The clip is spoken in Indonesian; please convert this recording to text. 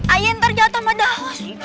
aya ntar jatoh sama daus